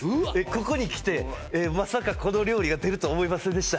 「ここにきてまさかこの料理が出ると思いませんでした」